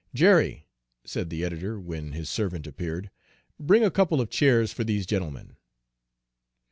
"Jerry," said the editor when his servant appeared, "bring a couple of chairs for these gentlemen."